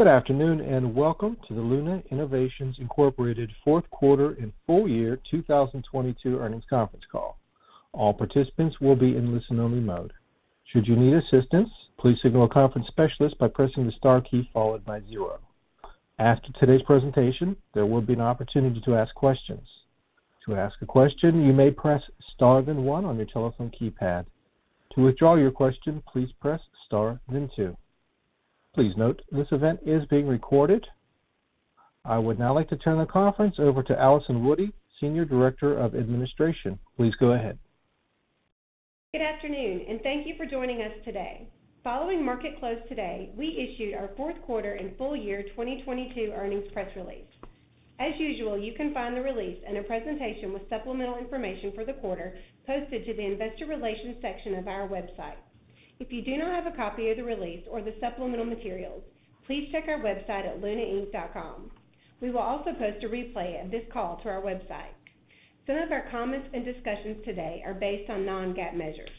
Good afternoon, and welcome to the Luna Innovations Incorporated Fourth Quarter and Full Year 2022 Earnings Conference Call. All participants will be in listen-only mode. Should you need assistance, please signal a conference specialist by pressing the star key followed by zero. After today's presentation, there will be an opportunity to ask questions. To ask a question, you may press star then one on your telephone keypad. To withdraw your question, please press star then two. Please note this event is being recorded. I would now like to turn the conference over to Allison Woody, Senior Director of Administration. Please go ahead. Good afternoon, and thank you for joining us today. Following market close today, we issued our fourth quarter and full year 2022 earnings press release. As usual, you can find the release in a presentation with supplemental information for the quarter posted to the investor relations section of our website. If you do not have a copy of the release or the supplemental materials, please check our website at lunainc.com. We will also post a replay of this call to our website. Some of our comments and discussions today are based on non-GAAP measures.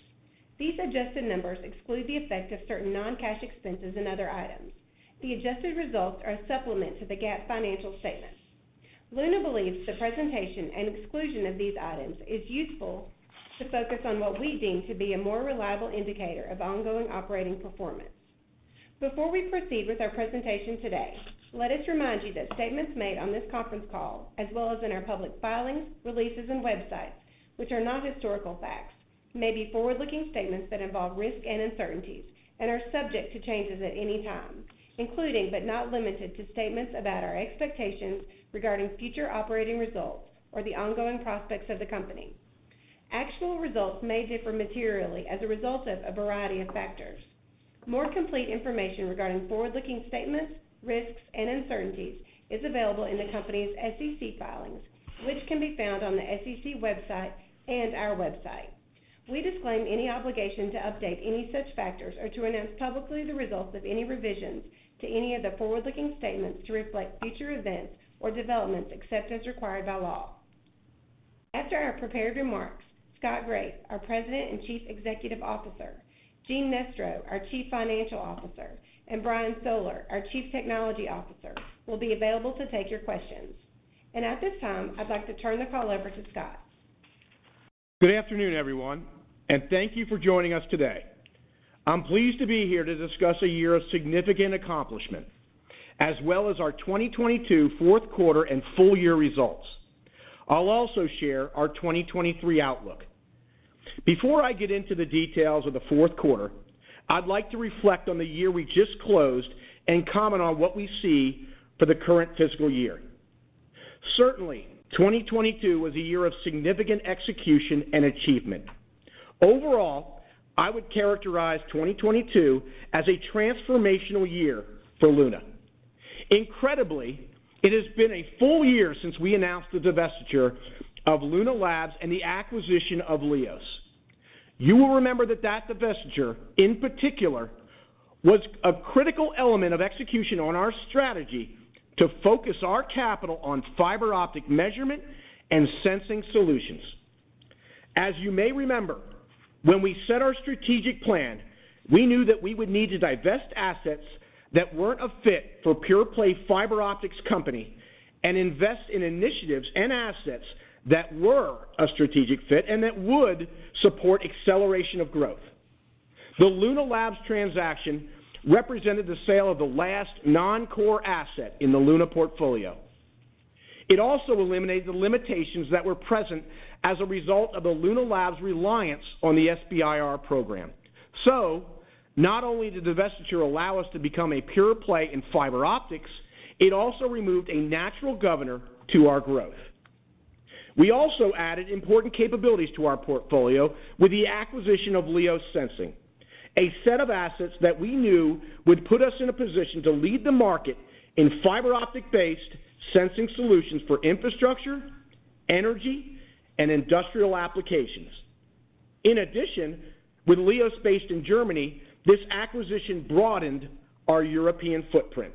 These adjusted numbers exclude the effect of certain non-cash expenses and other items. The adjusted results are a supplement to the GAAP financial statements. Luna believes the presentation and exclusion of these items is useful to focus on what we deem to be a more reliable indicator of ongoing operating performance. Before we proceed with our presentation today, let us remind you that statements made on this conference call as well as in our public filings, releases, and websites, which are not historical facts may be forward-looking statements that involve risks and uncertainties, and are subject to changes at any time including, but not limited to, statements about our expectations regarding future operating results or the ongoing prospects of the company. Actual results may differ materially as a result of a variety of factors. More complete information regarding forward-looking statements, risks, and uncertainties is available in the company's SEC filings, which can be found on the SEC website and our website. We disclaim any obligation to update any such factors or to announce publicly the results of any revisions to any of the forward-looking statements to reflect future events or developments, except as required by law. After our prepared remarks, Scott Graeff, our President and Chief Executive Officer, Gene Nestro, our Chief Financial Officer, and Brian Soller, our Chief Technology Officer, will be available to take your questions. At this time, I'd like to turn the call over to Scott. Good afternoon, everyone, and thank you for joining us today. I'm pleased to be here to discuss a year of significant accomplishment as well as our 2022 fourth quarter and full year results. I'll also share our 2023 outlook. Before I get into the details of the fourth quarter, I'd like to reflect on the year we just closed and comment on what we see for the current fiscal year. Certainly, 2022 was a year of significant execution and achievement. Overall, I would characterize 2022 as a transformational year for Luna. Incredibly, it has been a full year since we announced the divestiture of Luna Labs and the acquisition of LIOS. You will remember that divestiture, in particular, was a critical element of execution on our strategy to focus our capital on fiber optic measurement and sensing solutions. As you may remember, when we set our strategic plan, we knew that we would need to divest assets that weren't a fit for a pure-play fiber optics company and invest in initiatives and assets that were a strategic fit and that would support acceleration of growth. The Luna Labs transaction represented the sale of the last non-core asset in the Luna portfolio. It also eliminated the limitations that were present as a result of the Luna Labs' reliance on the SBIR program. Not only did divestiture allow us to become a pure play in fiber optics, it also removed a natural governor to our growth. We also added important capabilities to our portfolio with the acquisition of LIOS Sensing, a set of assets that we knew would put us in a position to lead the market in fiber optic-based sensing solutions for infrastructure, energy, and industrial applications. With LIOS based in Germany, this acquisition broadened our European footprint.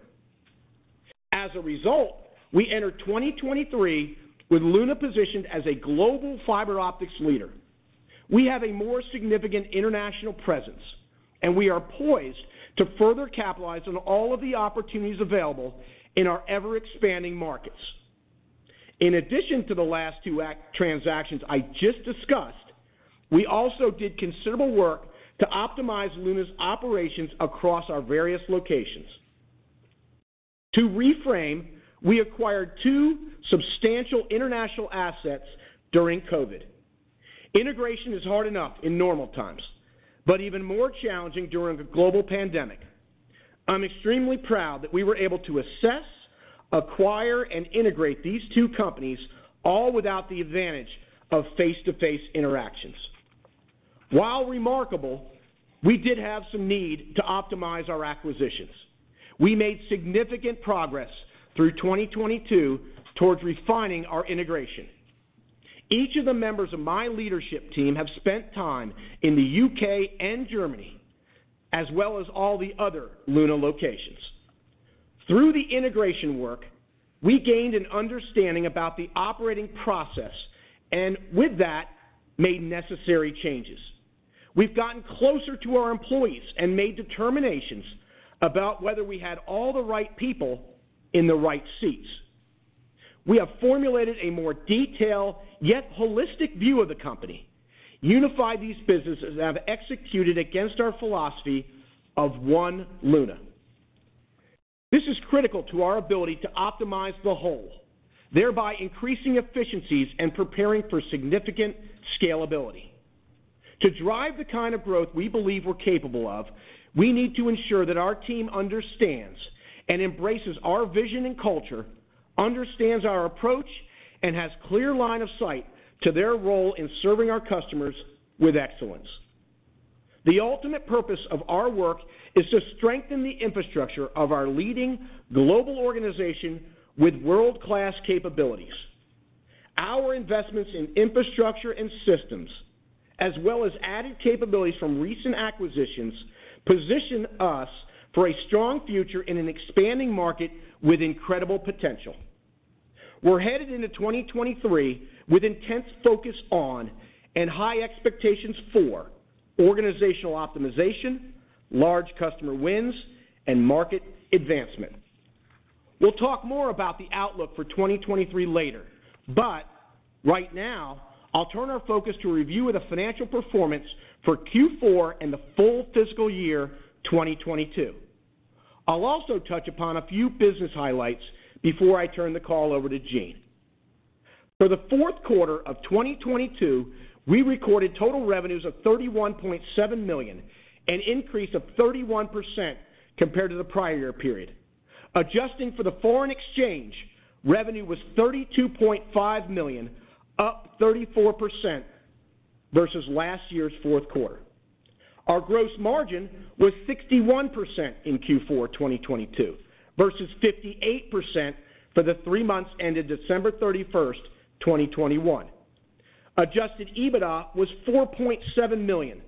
We enter 2023 with Luna positioned as a global fiber optics leader. We have a more significant international presence, and we are poised to further capitalize on all of the opportunities available in our ever-expanding markets. In addition to the last two transactions I just discussed, we also did considerable work to optimize Luna's operations across our various locations. To reframe, we acquired two substantial international assets during COVID. Integration is hard enough in normal times, but even more challenging during a global pandemic. I'm extremely proud that we were able to assess, acquire, and integrate these two companies, all without the advantage of face-to-face interactions. While remarkable, we did have some need to optimize our acquisitions. We made significant progress through 2022 towards refining our integration. Each of the members of my leadership team have spent time in the U.K. and Germany, as well as all the other Luna locations. Through the integration work, we gained an understanding about the operating process, and with that made necessary changes. We've gotten closer to our employees and made determinations about whether we had all the right people in the right seats. We have formulated a more detailed, yet holistic view of the company, unified these businesses that have executed against our philosophy of One Luna. This is critical to our ability to optimize the whole, thereby increasing efficiencies and preparing for significant scalability. To drive the kind of growth we believe we're capable of, we need to ensure that our team understands and embraces our vision and culture, understands our approach, and has clear line of sight to their role in serving our customers with excellence. The ultimate purpose of our work is to strengthen the infrastructure of our leading global organization with world-class capabilities. Our investments in infrastructure and systems, as well as added capabilities from recent acquisitions, position us for a strong future in an expanding market with incredible potential. We're headed into 2023 with intense focus on and high expectations for organizational optimization, large customer wins, and market advancement. We'll talk more about the outlook for 2023 later, but right now I'll turn our focus to a review of the financial performance for Q4 and the full fiscal year 2022. I'll also touch upon a few business highlights before I turn the call over to Gene. For the fourth quarter of 2022, we recorded total revenues of $31.7 million, an increase of 31% compared to the prior year period. Adjusting for the foreign exchange, revenue was $32.5 million, up 34% versus last year's fourth quarter. Our gross margin was 61% in Q4 2022 versus 58% for the three months ended December 31st, 2021. Adjusted EBITDA was $4.7 million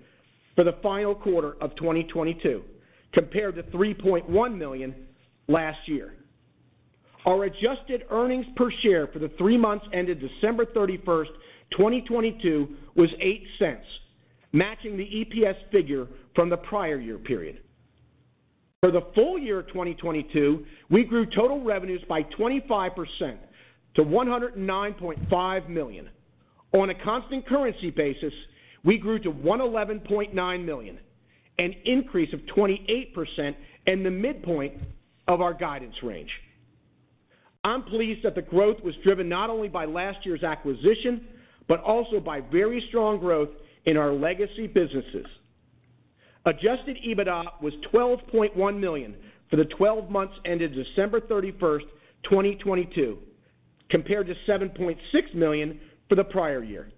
for the final quarter of 2022, compared to $3.1 million last year. Our adjusted earnings per share for the three months ended December 31st, 2022, was $0.08, matching the EPS figure from the prior year period. For the full year of 2022, we grew total revenues by 25% to $109.5 million. On a constant currency basis, we grew to $111.9 million, an increase of 28% and the midpoint of our guidance range. I'm pleased that the growth was driven not only by last year's acquisition, but also by very strong growth in our legacy businesses. Adjusted EBITDA was $12.1 million for the 12 months ended December 31st, 2022, compared to $7.6 million for the prior year.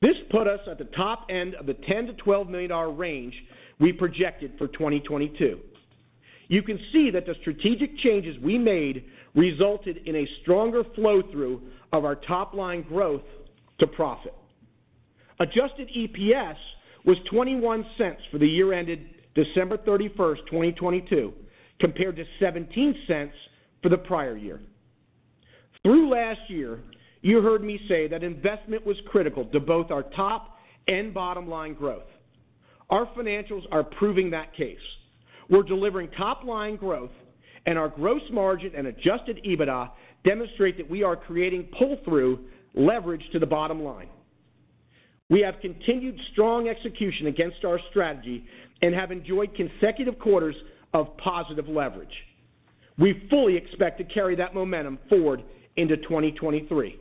This put us at the top end of the $10 million-$12 million range we projected for 2022. You can see that the strategic changes we made resulted in a stronger flow-through of our top line growth to profit. Adjusted EPS was $0.21 for the year ended December 31st, 2022, compared to $0.17 for the prior year. Through last year, you heard me say that investment was critical to both our top and bottom line growth. Our financials are proving that case. We're delivering top line growth, and our gross margin and adjusted EBITDA demonstrate that we are creating pull-through leverage to the bottom line. We have continued strong execution against our strategy and have enjoyed consecutive quarters of positive leverage. We fully expect to carry that momentum forward into 2023.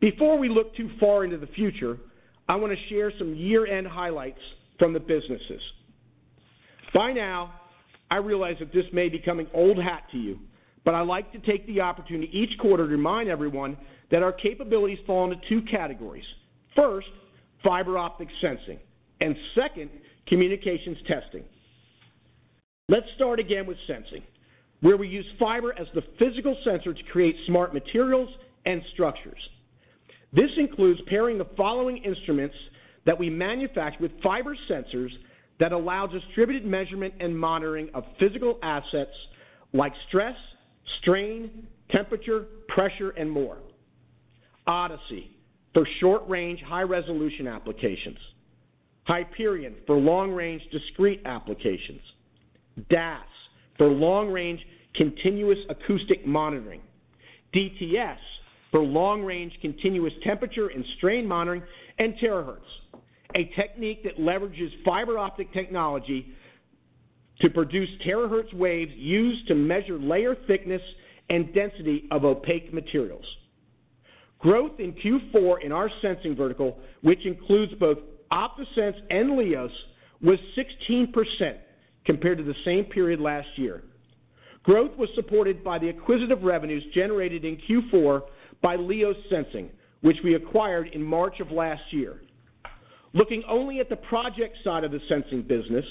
Before we look too far into the future, I wanna share some year-end highlights from the businesses. By now, I realize that this may be coming old hat to you, but I like to take the opportunity each quarter to remind everyone that our capabilities fall into two categories. First, fiber optic sensing, and second, communications testing. Let's start again with sensing, where we use fiber as the physical sensor to create smart materials and structures. This includes pairing the following instruments that we manufacture with fiber sensors that allow distributed measurement and monitoring of physical assets like stress, strain, temperature, pressure, and more. ODiSI for short range, high resolution applications. HYPERION for long range discrete applications. DAS for long range continuous acoustic monitoring. DTS for long range continuous temperature and strain monitoring. Terahertz, a technique that leverages fiber optic technology to produce terahertz waves used to measure layer thickness and density of opaque materials. Growth in Q4 in our sensing vertical, which includes both OptaSense and LIOS, was 16% compared to the same period last year. Growth was supported by the acquisitive revenues generated in Q4 by LIOS Sensing, which we acquired in March of last year. Looking only at the project side of the sensing business,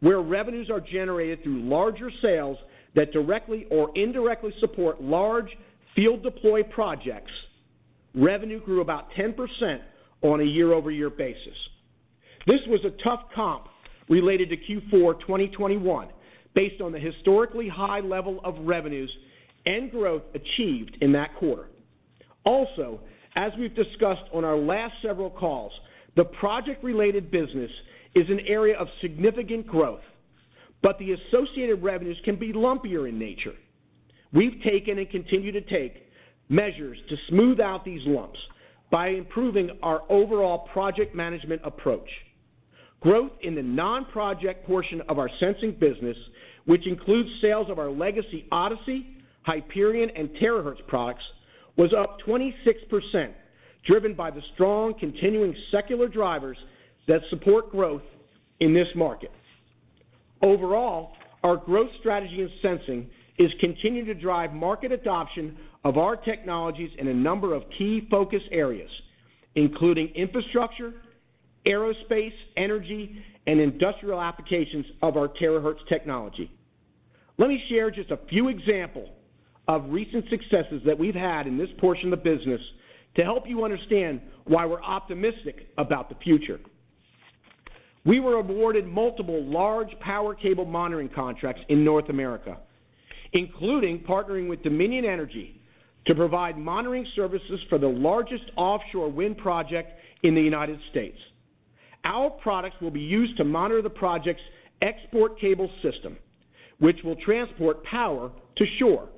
where revenues are generated through larger sales that directly or indirectly support large field deploy projects, revenue grew about 10% on a year-over-year basis. This was a tough comp related to Q4 2021 based on the historically high level of revenues and growth achieved in that quarter. Also, as we've discussed on our last several calls, the project-related business is an area of significant growth, but the associated revenues can be lumpier in nature. We've taken, and continue to take, measures to smooth out these lumps by improving our overall project management approach. Growth in the non-project portion of our sensing business, which includes sales of our legacy ODiSI, HYPERION, and Terahertz products, was up 26%, driven by the strong continuing secular drivers that support growth in this market. Overall, our growth strategy in sensing is continuing to drive market adoption of our technologies in a number of key focus areas, including infrastructure, aerospace, energy, and industrial applications of our Terahertz technology. Let me share just a few examples of recent successes that we've had in this portion of the business to help you understand why we're optimistic about the future. We were awarded multiple large power cable monitoring contracts in North America, including partnering with Dominion Energy to provide monitoring services for the largest offshore wind project in the United States. Our products will be used to monitor the project's export cable system, which will transport power to shore.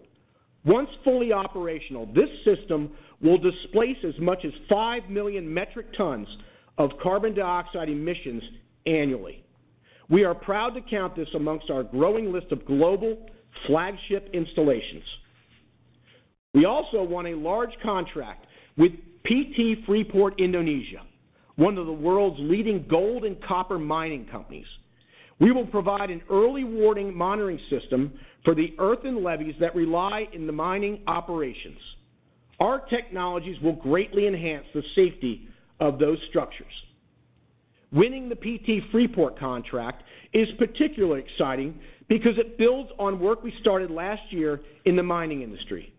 Once fully operational, this system will displace as much as five million metric tons of carbon dioxide emissions annually. We are proud to count this amongst our growing list of global flagship installations. We also won a large contract with PT Freeport Indonesia, one of the world's leading gold and copper mining companies. We will provide an early warning monitoring system for the earthen levees that rely in the mining operations. Our technologies will greatly enhance the safety of those structures. Winning the PT Freeport contract is particularly exciting because it builds on work we started last year in the mining industry.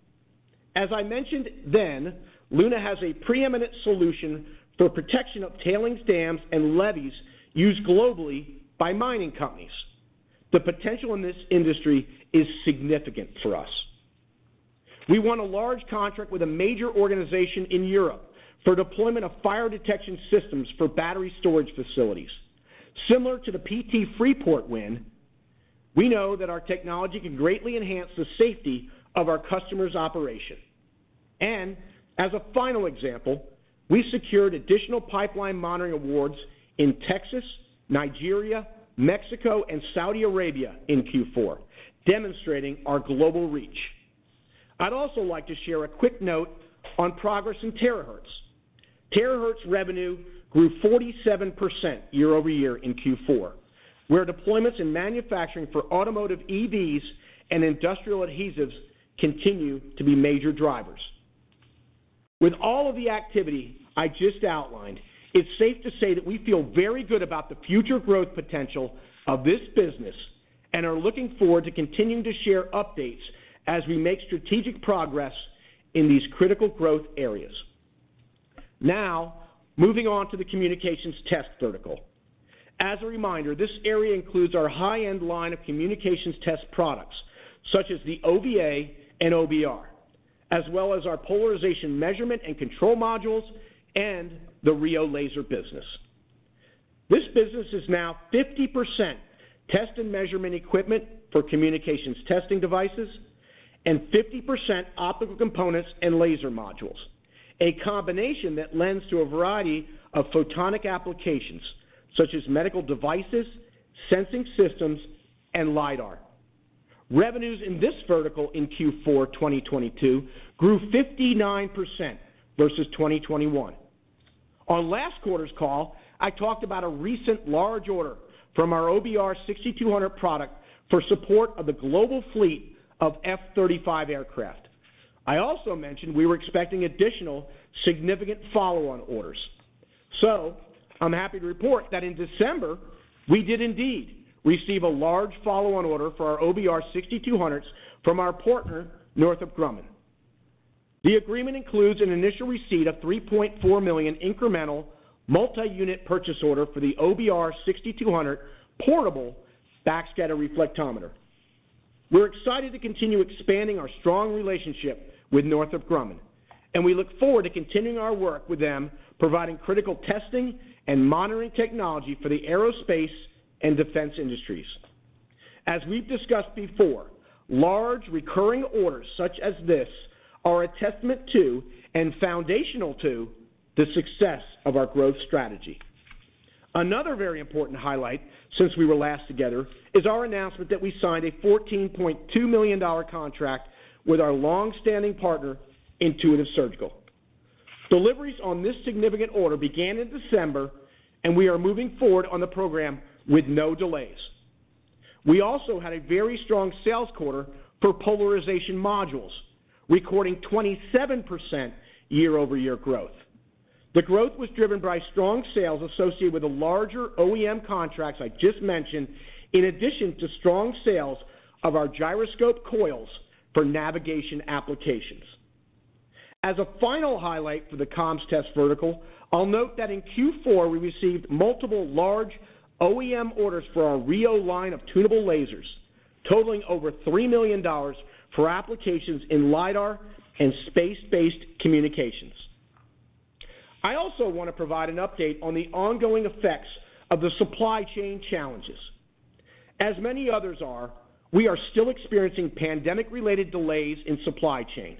As I mentioned then, Luna has a preeminent solution for protection of tailings dams and levees used globally by mining companies. The potential in this industry is significant for us. We won a large contract with a major organization in Europe for deployment of fire detection systems for battery storage facilities. Similar to the PT Freeport win, we know that our technology can greatly enhance the safety of our customer's operation. As a final example, we secured additional pipeline monitoring awards in Texas, Nigeria, Mexico, and Saudi Arabia in Q4, demonstrating our global reach. I'd also like to share a quick note on progress in Terahertz. Terahertz revenue grew 47% year-over-year in Q4, where deployments in manufacturing for automotive EVs and industrial adhesives continue to be major drivers. With all of the activity I just outlined, it's safe to say that we feel very good about the future growth potential of this business and are looking forward to continuing to share updates as we make strategic progress in these critical growth areas. Moving on to the communications test vertical. As a reminder, this area includes our high-end line of communications test products, such as the OVA and OBR, as well as our polarization measurement and control modules and the RIO Laser business. This business is now 50% test and measurement equipment for communications testing devices and 50% optical components and laser modules, a combination that lends to a variety of photonic applications such as medical devices, sensing systems, and LIDAR. Revenues in this vertical in Q4 2022 grew 59% versus 2021. On last quarter's call, I talked about a recent large order from our OBR 6200 product for support of the global fleet of F-35 aircraft. I'm happy to report that in December, we did indeed receive a large follow-on order for our OBR 6200s from our partner, Northrop Grumman. The agreement includes an initial receipt of a $3.4 million incremental multi-unit purchase order for the OBR 6200 portable backscatter reflectometer. We're excited to continue expanding our strong relationship with Northrop Grumman. We look forward to continuing our work with them, providing critical testing and monitoring technology for the aerospace and defense industries. As we've discussed before, large recurring orders such as this are a testament to and foundational to the success of our growth strategy. Another very important highlight since we were last together is our announcement that we signed a $14.2 million contract with our long-standing partner, Intuitive Surgical. Deliveries on this significant order began in December. We are moving forward on the program with no delays. We also had a very strong sales quarter for polarization modules, recording 27% year-over-year growth. The growth was driven by strong sales associated with the larger OEM contracts I just mentioned, in addition to strong sales of our gyroscope coils for navigation applications. As a final highlight for the comms test vertical, I'll note that in Q4, we received multiple large OEM orders for our RIO line of tunable lasers, totaling over $3 million for applications in LIDAR and space-based communications. I also wanna provide an update on the ongoing effects of the supply chain challenges. As many others are, we are still experiencing pandemic-related delays in supply chain.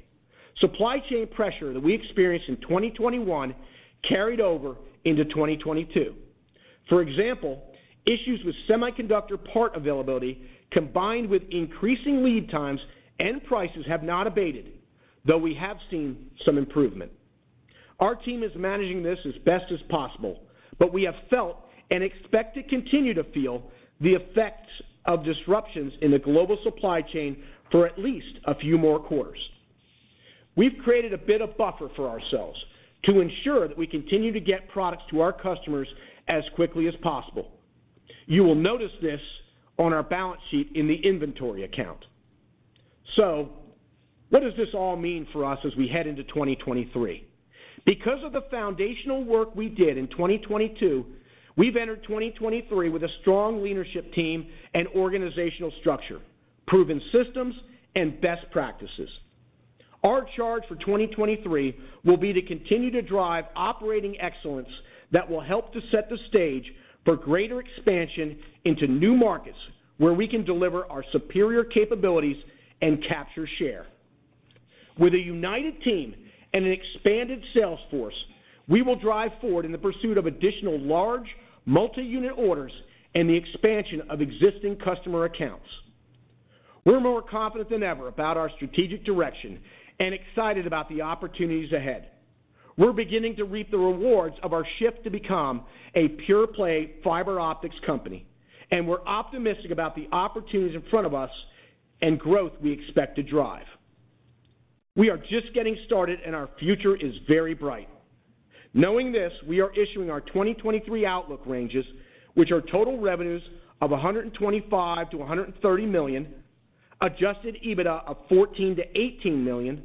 Supply chain pressure that we experienced in 2021 carried over into 2022. For example, issues with semiconductor part availability, combined with increasing lead times and prices have not abated, though we have seen some improvement. Our team is managing this as best as possible, but we have felt and expect to continue to feel the effects of disruptions in the global supply chain for at least a few more quarters. We've created a bit of buffer for ourselves to ensure that we continue to get products to our customers as quickly as possible. You will notice this on our balance sheet in the inventory account. What does this all mean for us as we head into 2023? Because of the foundational work we did in 2022, we've entered 2023 with a strong leadership team and organizational structure, proven systems, and best practices. Our charge for 2023 will be to continue to drive operating excellence that will help to set the stage for greater expansion into new markets, where we can deliver our superior capabilities and capture share. With a united team and an expanded sales force, we will drive forward in the pursuit of additional large multi-unit orders and the expansion of existing customer accounts. We're more confident than ever about our strategic direction and excited about the opportunities ahead. We're beginning to reap the rewards of our shift to become a pure-play fiber optics company, and we're optimistic about the opportunities in front of us and growth we expect to drive. We are just getting started, and our future is very bright. Knowing this, we are issuing our 2023 outlook ranges, which are total revenues of $125 million-$130 million, adjusted EBITDA of $14 million-$18 million,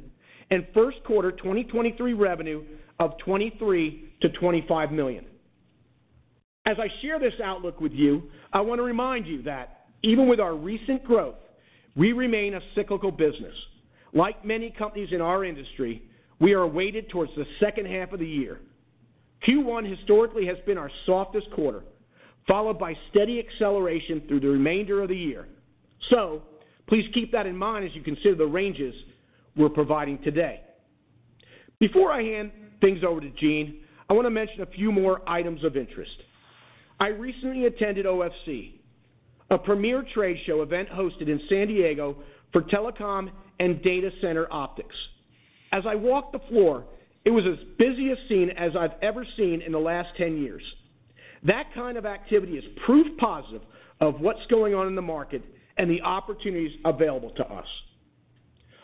and first quarter 2023 revenue of $23 million-$25 million. As I share this outlook with you, I wanna remind you that even with our recent growth, we remain a cyclical business. Like many companies in our industry, we are weighted towards the second half of the year. Q1 historically has been our softest quarter, followed by steady acceleration through the remainder of the year. Please keep that in mind as you consider the ranges we're providing today. Before I hand things over to Gene, I wanna mention a few more items of interest. I recently attended OFC, a premier trade show event hosted in San Diego for telecom and data center optics. As I walked the floor, it was as busy a scene as I've ever seen in the last 10 years. That kind of activity is proof positive of what's going on in the market and the opportunities available to us.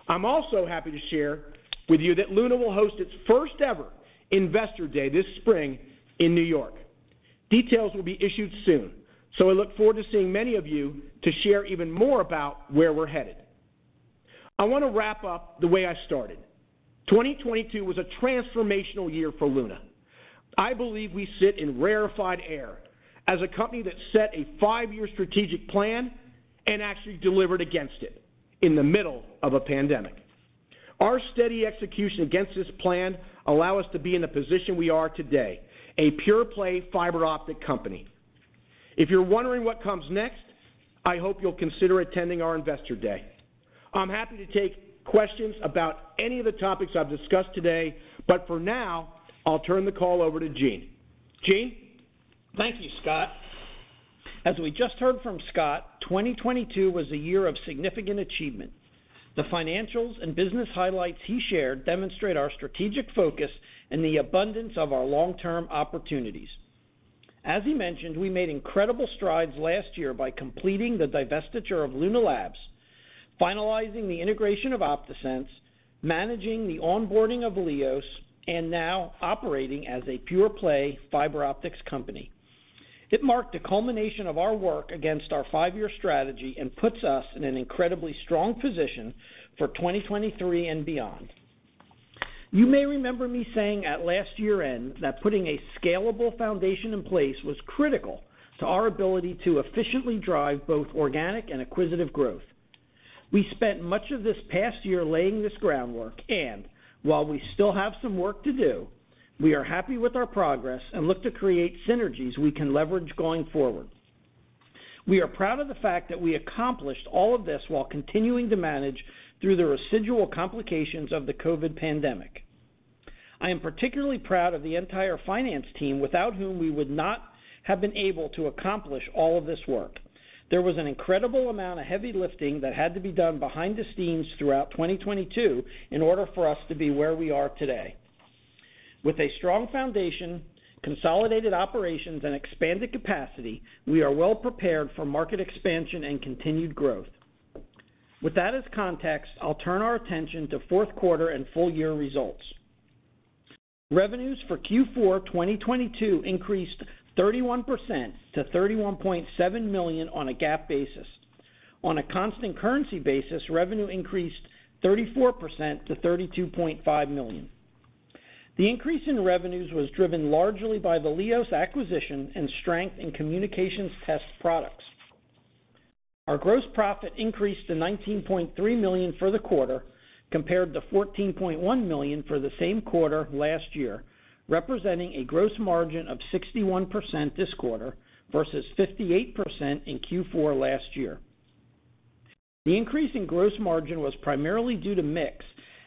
I'm also happy to share with you that Luna will host its first ever Investor Day this spring in New York. Details will be issued soon, I look forward to seeing many of you to share even more about where we're headed. I wanna wrap up the way I started. 2022 was a transformational year for Luna. I believe we sit in rarefied air as a company that set a five-year strategic plan and actually delivered against it in the middle of a pandemic. Our steady execution against this plan allow us to be in the position we are today, a pure-play fiber optic company. If you're wondering what comes next, I hope you'll consider attending our Investor Day. I'm happy to take questions about any of the topics I've discussed today, but for now, I'll turn the call over to Gene. Gene? Thank you, Scott. As we just heard from Scott, 2022 was a year of significant achievement. The financials and business highlights he shared demonstrate our strategic focus and the abundance of our long-term opportunities. As he mentioned, we made incredible strides last year by completing the divestiture of Luna Labs, finalizing the integration of OptaSense, managing the onboarding of LIOS, and now operating as a pure-play fiber optics company. It marked a culmination of our work against our five-year strategy and puts us in an incredibly strong position for 2023 and beyond. You may remember me saying at last year-end that putting a scalable foundation in place was critical to our ability to efficiently drive both organic and acquisitive growth. We spent much of this past year laying this groundwork, while we still have some work to do, we are happy with our progress and look to create synergies we can leverage going forward. We are proud of the fact that we accomplished all of this while continuing to manage through the residual complications of the COVID pandemic. I am particularly proud of the entire finance team, without whom we would not have been able to accomplish all of this work. There was an incredible amount of heavy lifting that had to be done behind the scenes throughout 2022 in order for us to be where we are today. With a strong foundation, consolidated operations, and expanded capacity, we are well prepared for market expansion and continued growth. With that as context, I'll turn our attention to fourth quarter and full year results. Revenues for Q4 2022 increased 31% to $31.7 million on a GAAP basis. On a constant currency basis, revenue increased 34% to $32.5 million. The increase in revenues was driven largely by the LIOS acquisition and strength in communications test products. Our gross profit increased to $19.3 million for the quarter compared to $14.1 million for the same quarter last year, representing a gross margin of 61% this quarter versus 58% in Q4 last year. The increase in gross margin was primarily due to mix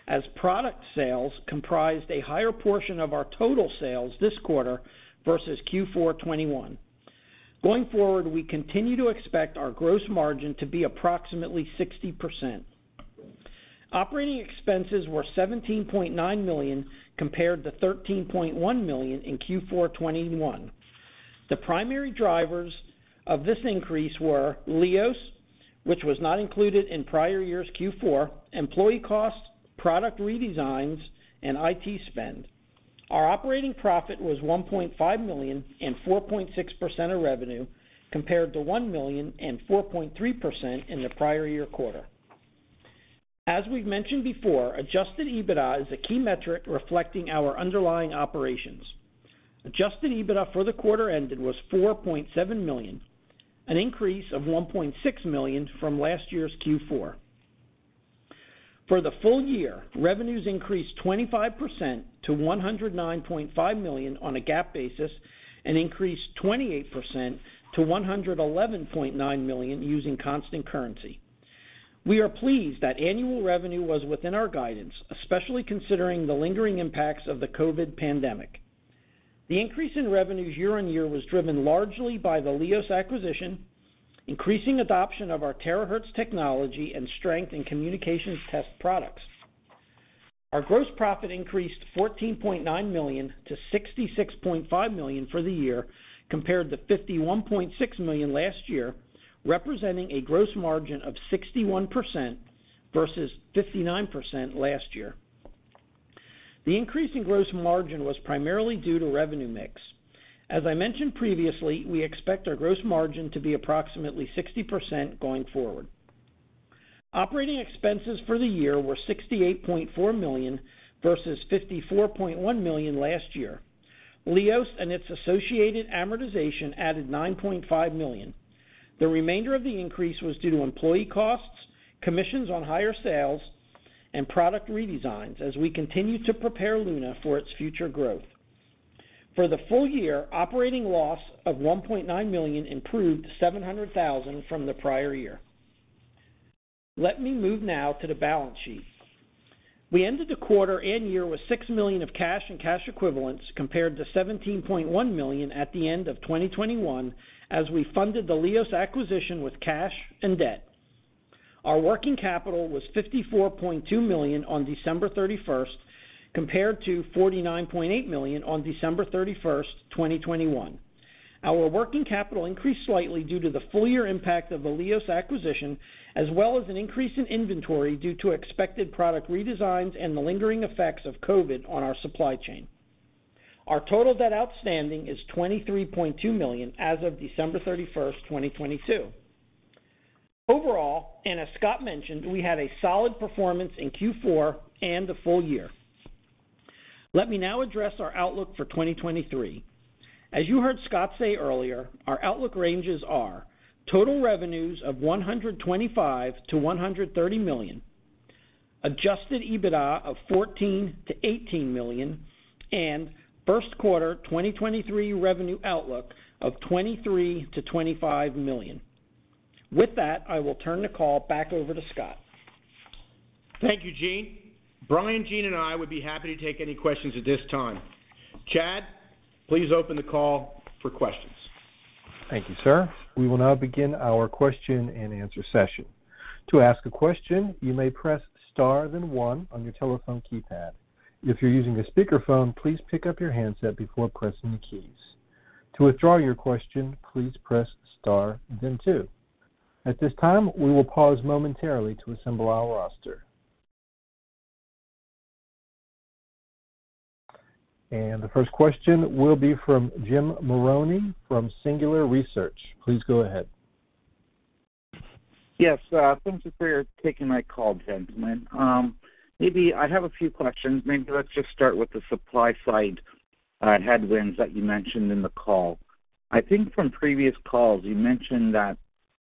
as product sales comprised a higher portion of our total sales this quarter versus Q4 2021. Going forward, we continue to expect our gross margin to be approximately 60%. Operating expenses were $17.9 million compared to $13.1 million in Q4 2021. The primary drivers of this increase were LIOS, which was not included in prior year's Q4, employee costs, product redesigns, and IT spend. Our operating profit was $1.5 million and 4.6% of revenue compared to $1 million and 4.3% in the prior year quarter. As we've mentioned before, adjusted EBITDA is a key metric reflecting our underlying operations. Adjusted EBITDA for the quarter ended was $4.7 million, an increase of $1.6 million from last year's Q4. For the full year, revenues increased 25% to $109.5 million on a GAAP basis and increased 28% to $111.9 million using constant currency. We are pleased that annual revenue was within our guidance, especially considering the lingering impacts of the COVID pandemic. The increase in revenues year-over-year was driven largely by the LIOS acquisition, increasing adoption of our Terahertz Technology and strength in communications test products. Our gross profit increased $14.9 million-$66.5 million for the year compared to $51.6 million last year, representing a gross margin of 61% versus 59% last year. The increase in gross margin was primarily due to revenue mix. As I mentioned previously, we expect our gross margin to be approximately 60% going forward. Operating expenses for the year were $68.4 million versus $54.1 million last year. LIOS and its associated amortization added $9.5 million. The remainder of the increase was due to employee costs, commissions on higher sales and product redesigns as we continue to prepare Luna for its future growth. For the full year, operating loss of $1.9 million improved $700,000 from the prior year. Let me move now to the balance sheet. We ended the quarter and year with $6 million of cash and cash equivalents compared to $17.1 million at the end of 2021, as we funded the LIOS acquisition with cash and debt. Our working capital was $54.2 million on December 31st, compared to $49.8 million on December 31st, 2021. Our working capital increased slightly due to the full year impact of the LIOS acquisition, as well as an increase in inventory due to expected product redesigns and the lingering effects of COVID on our supply chain. Our total debt outstanding is $23.2 million as of December 31st, 2022. Overall, as Scott mentioned, we had a solid performance in Q4 and the full year. Let me now address our outlook for 2023. As you heard Scott say earlier, our outlook ranges are total revenues of $125 million-$130 million, adjusted EBITDA of $14 million-$18 million, and first quarter 2023 revenue outlook of $23 million-$25 million. With that, I will turn the call back over to Scott. Thank you, Gene. Brian, Gene and I would be happy to take any questions at this time. Chad, please open the call for questions. Thank you, sir. We will now begin our question and answer session. To ask a question, you may press star then one on your telephone keypad. If you're using a speakerphone, please pick up your handset before pressing the keys. To withdraw your question, please press star then two. At this time, we will pause momentarily to assemble our roster. The first question will be from Jim Marrone from Singular Research. Please go ahead. Yes, thanks for taking my call, gentlemen. Maybe I have a few questions. Maybe let's just start with the supply side headwinds that you mentioned in the call. I think from previous calls you mentioned that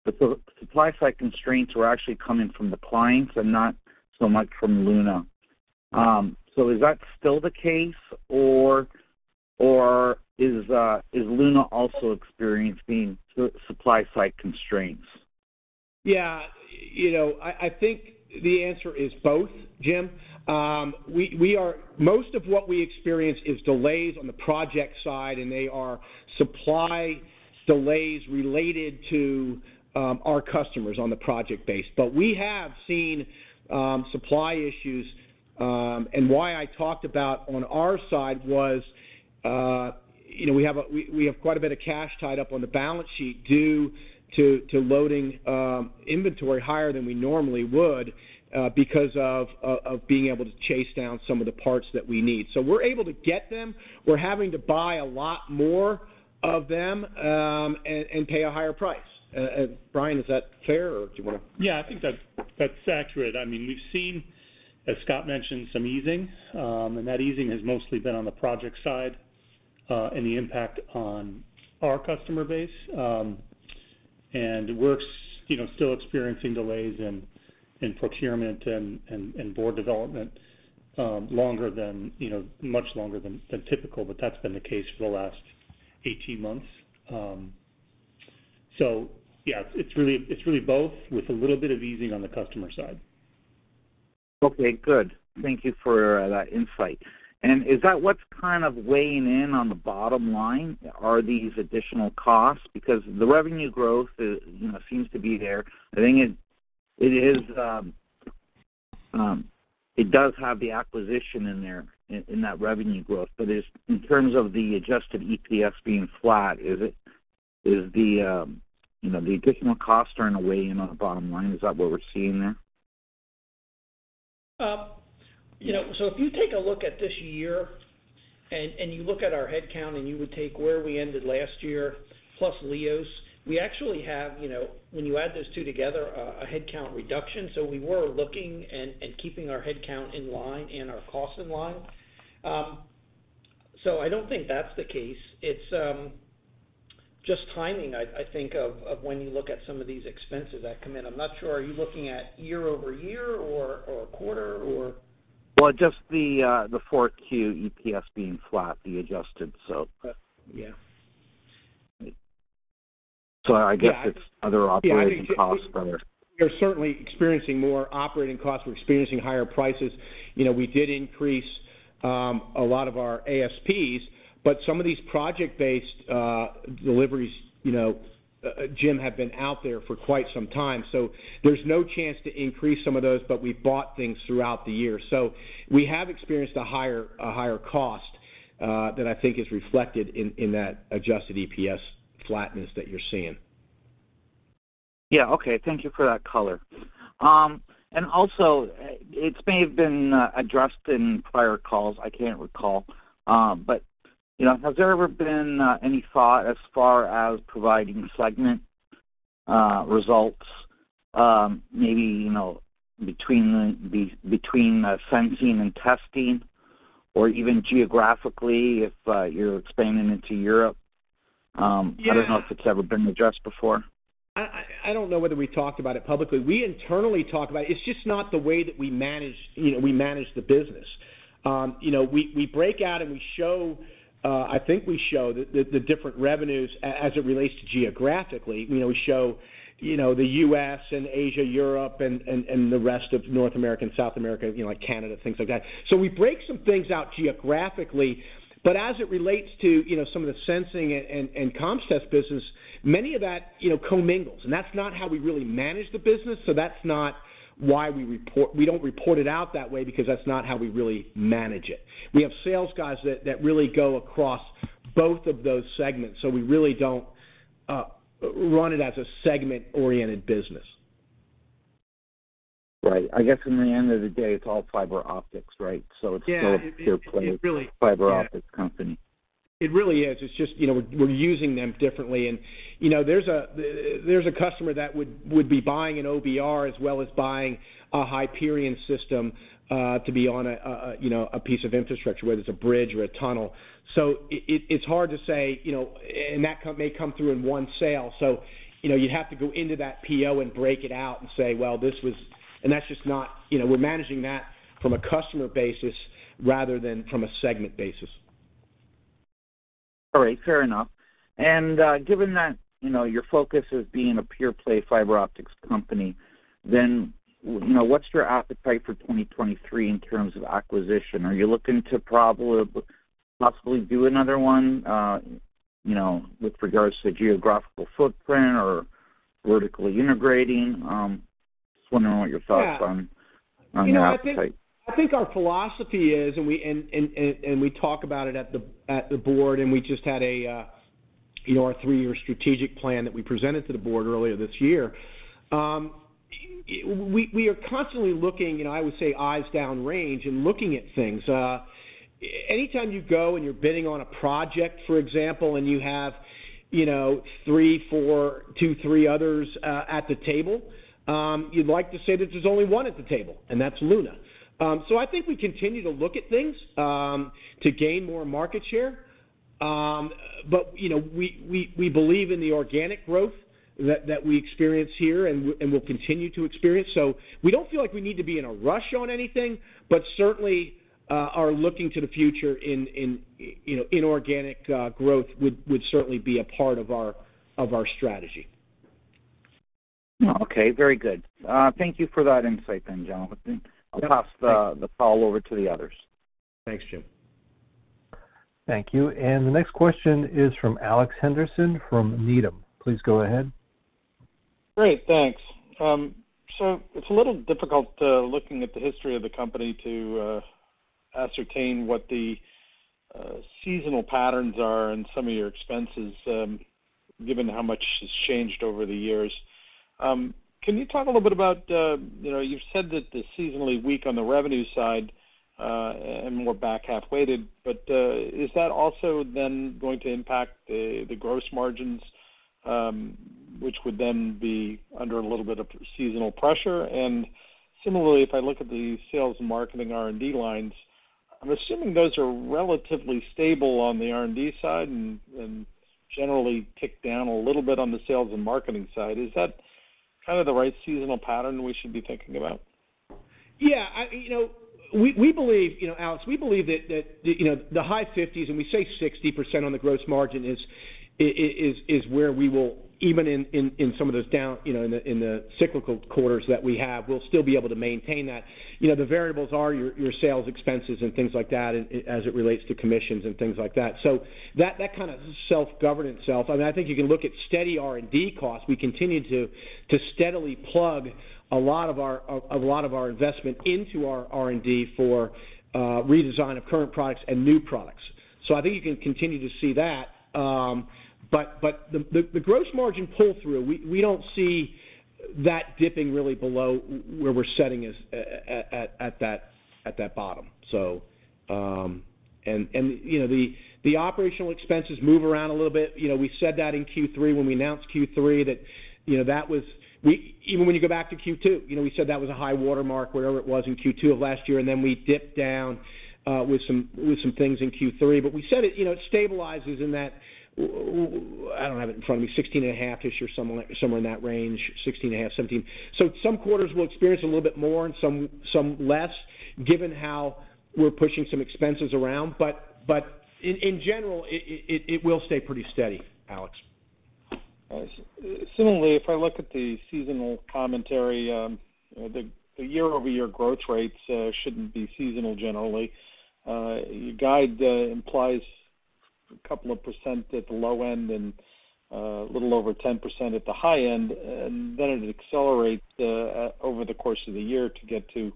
the supply side constraints were actually coming from the clients and not so much from Luna. Is that still the case or is Luna also experiencing supply side constraints? Yeah, you know, I think the answer is both, Jim. Most of what we experience is delays on the project side, and they are supply delays related to our customers on the project base. We have seen supply issues, and why I talked about on our side was. You know, we have quite a bit of cash tied up on the balance sheet due to loading inventory higher than we normally would, because of being able to chase down some of the parts that we need. We're able to get them. We're having to buy a lot more of them, and pay a higher price. Brian, is that fair, or do you wanna... Yeah, I think that's accurate. I mean, we've seen, as Scott mentioned, some easing. That easing has mostly been on the project side, and the impact on our customer base. We're you know, still experiencing delays in procurement and board development, longer than, you know, much longer than typical, but that's been the case for the last 18 months. Yeah, it's really both with a little bit of easing on the customer side. Okay, good. Thank you for that insight. Is that what's kind of weighing in on the bottom line are these additional costs? Because the revenue growth is, you know, seems to be there. I think it is, it does have the acquisition in there in that revenue growth. In terms of the adjusted EPS being flat, is the, you know, the additional costs are in a way in on the bottom line? Is that what we're seeing there? You know, so if you take a look at this year and you look at our headcount, and you would take where we ended last year, plus LIOS, we actually have, you know, when you add those two together, a headcount reduction. We were looking and keeping our headcount in line and our costs in line. I don't think that's the case. It's just timing I think of when you look at some of these expenses that come in. I'm not sure are you looking at year-over-year or quarter or? Well, just the 4Q EPS being flat, the adjusted, so. Yeah. I guess it's other operating costs or- We're certainly experiencing more operating costs. We're experiencing higher prices. You know, we did increase a lot of our ASPs, but some of these project-based deliveries, you know, Jim, have been out there for quite some time, so there's no chance to increase some of those, but we bought things throughout the year. We have experienced a higher cost that I think is reflected in that adjusted EPS flatness that you're seeing. Yeah, okay. Thank you for that color. And also it's may have been addressed in prior calls, I can't recall. But, you know, has there ever been any thought as far as providing segment results, maybe, you know, between sensing and testing or even geographically if you're expanding into Europe? Yeah. I don't know if it's ever been addressed before. I don't know whether we talked about it publicly. We internally talk about it. It's just not the way that we manage, you know, we manage the business. You know, we break out and we show, I think we show the different revenues as it relates to geographically. You know, we show, you know, the U.S. and Asia, Europe and the rest of North America and South America, you know, like Canada, things like that. We break some things out geographically, but as it relates to, you know, some of the sensing and comms test business, many of that, you know, co-mingles, and that's not how we really manage the business. That's not why we don't report it out that way because that's not how we really manage it. We have sales guys that really go across both of those segments, so we really don't run it as a segment-oriented business. Right. I guess in the end of the day, it's all fiber optics, right? It's still a pure play fiber optics company. It really is. It's just, you know, we're using them differently, you know, there's a customer that would be buying an OBR as well as buying a HYPERION system to be on a, you know, a piece of infrastructure, whether it's a bridge or a tunnel. It's hard to say, you know, that may come through in one sale. You know, you'd have to go into that PO and break it out and say, well, this was... That's just not, you know, we're managing that from a customer basis rather than from a segment basis. All right. Fair enough. Given that, you know, your focus is being a pure play fiber optics company, then, you know, what's your appetite for 2023 in terms of acquisition? Are you looking to probably, possibly do another one, you know, with regards to geographical footprint or vertically integrating? Just wondering what your thoughts on the appetite. You know, I think our philosophy is, we talk about it at the board, and we just had a, you know, our three-year strategic plan that we presented to the board earlier this year. We are constantly looking, and I would say eyes downrange and looking at things. Anytime you go and you're bidding on a project, for example, and you have, you know, three, four, two, three others, at the table, you'd like to say that there's only one at the table, and that's Luna. I think we continue to look at things to gain more market share. You know, we believe in the organic growth that we experience here and will continue to experience. We don't feel like we need to be in a rush on anything, but certainly, are looking to the future in, you know, inorganic, growth would certainly be a part of our, of our strategy. Okay. Very good. Thank you for that insight then, gentlemen. I'll pass the call over to the others. Thanks, Jim. Thank you. The next question is from Alex Henderson from Needham. Please go ahead. Great. Thanks. It's a little difficult, looking at the history of the company to ascertain what the seasonal patterns are and some of your expenses, given how much has changed over the years. Can you talk a little bit about, you know, you've said that they're seasonally weak on the revenue side, and more back-half weighted, but is that also then going to impact the gross margins, which would then be under a little bit of seasonal pressure? Similarly, if I look at the sales and marketing R&D lines, I'm assuming those are relatively stable on the R&D side and generally tick down a little bit on the sales and marketing side. Is that kind of the right seasonal pattern we should be thinking about? Yeah. You know, we believe, you know, Alex, we believe that, you know, the high 50s, and we say 60% on the gross margin is where we will, even in some of those down, you know, in the cyclical quarters that we have, we'll still be able to maintain that. You know, the variables are your sales expenses and things like that as it relates to commissions and things like that. That kind of self-governance. I mean, I think you can look at steady R&D costs. We continue to steadily plug a lot of our investment into our R&D for redesign of current products and new products. I think you can continue to see that. The gross margin pull-through, we don't see that dipping really below where we're setting is at that bottom. You know, the operational expenses move around a little bit. You know, we said that in Q3 when we announced Q3, that, you know, even when you go back to Q2, you know, we said that was a high watermark, whatever it was in Q2 of last year, and then we dipped down with some things in Q3. We said it, you know, it stabilizes in that I don't have it in front of me, 16.5%-ish or somewhere in that range, 16.5%, 17%. Some quarters we'll experience a little bit more and some less given how we're pushing some expenses around. In general, it will stay pretty steady, Alex. Similarly, if I look at the seasonal commentary, the year-over-year growth rates, shouldn't be seasonal generally. Your guide, implies a couple of percent at the low end and, a little over 10% at the high end, and then it accelerates, over the course of the year to get to,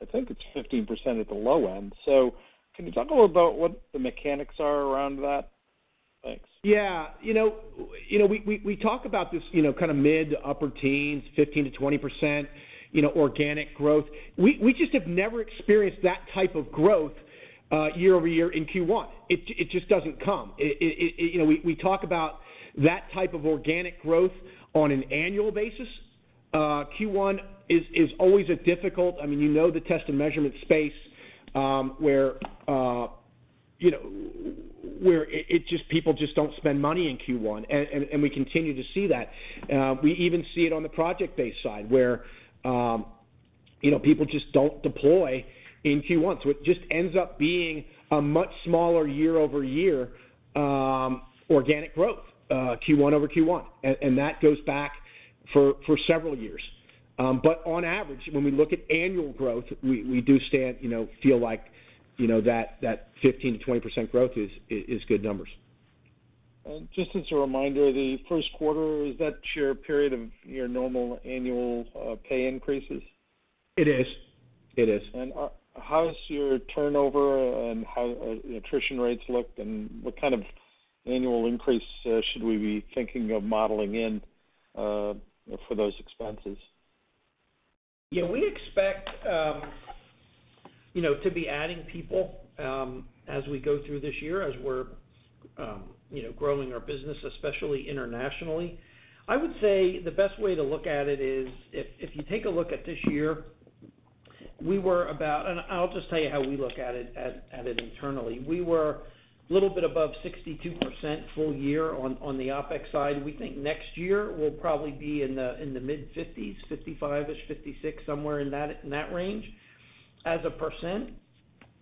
I think it's 15% at the low end. Can you talk a little about what the mechanics are around that? Thanks. Yeah. You know, we talk about this, you know, kind of mid to upper teens, 15%-20%, you know, organic growth. We just have never experienced that type of growth, year-over-year in Q1. It just doesn't come. It, you know, we talk about that type of organic growth on an annual basis. Q1 is always a difficult, I mean, you know the test and measurement space, where, you know, people just don't spend money in Q1. We continue to see that. We even see it on the project-based side, where, you know, people just don't deploy in Q1. It just ends up being a much smaller year-over-year, organic growth, Q1 over Q1, and that goes back for several years. On average, when we look at annual growth, we do stand, you know, feel like, you know, that 15%-20% growth is good numbers. Just as a reminder, the first quarter, is that your period of your normal annual pay increases? It is. It is. How does your turnover and how attrition rates look, and what kind of annual increase, should we be thinking of modeling in, for those expenses? Yeah, we expect, you know, to be adding people as we go through this year, as we're, you know, growing our business, especially internationally. I would say the best way to look at it is if you take a look at this year, we were about. I'll just tell you how we look at it internally. We were a little bit above 62% full year on the OpEx side. We think next year we'll probably be in the mid-50s, 55-ish, 56, somewhere in that range as a percent.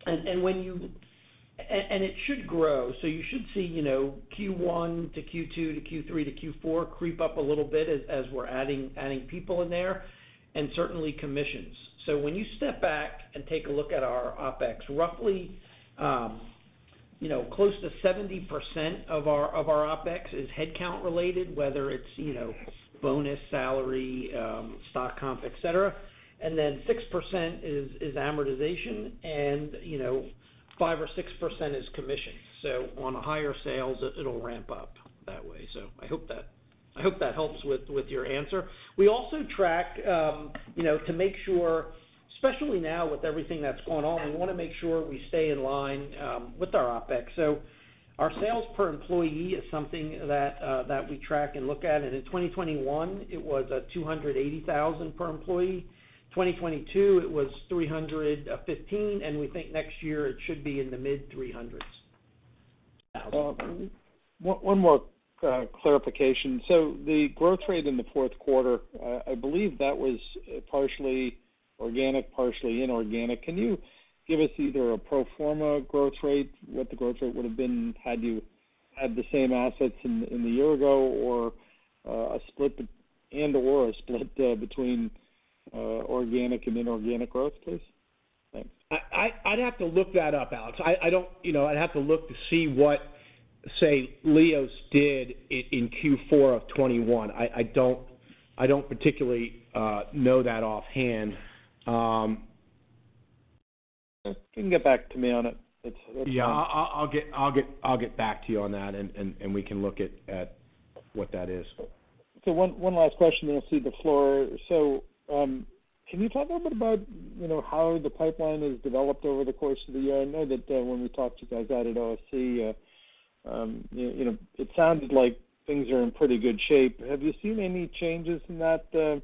It should grow. You should see, you know, Q1 to Q2 to Q3 to Q4 creep up a little bit as we're adding people in there and certainly commissions. When you step back and take a look at our OpEx, roughly, you know, close to 70% of our, of our OpEx is headcount related, whether it's, you know, bonus, salary, stock comp, et cetera. 6% is amortization and, you know, 5% or 6% is commission. On a higher sales, it'll ramp up that way. I hope that, I hope that helps with your answer. We also track, you know, to make sure, especially now with everything that's going on, we wanna make sure we stay in line with our OpEx. Our sales per employee is something that we track and look at. In 2021 it was $280,000 per employee. 2022 it was $315. We think next year it should be in the mid $300s. One more clarification. The growth rate in the fourth quarter, I believe that was partially organic, partially inorganic. Can you give us either a pro forma growth rate, what the growth rate would've been had you had the same assets in the year ago or, and/or a split between organic and inorganic growth, please? I'd have to look that up, Alex. I don't... You know, I'd have to look to see what, say, LIOS did in Q4 of 2021. I don't particularly know that offhand. You can get back to me on it. It's fine. Yeah. I'll get back to you on that, and we can look at what that is. One last question then I'll cede the floor. Can you talk a little bit about, you know, how the pipeline has developed over the course of the year? I know that, when we talked to you guys out at OFC, you know, it sounded like things are in pretty good shape. Have you seen any changes in that, you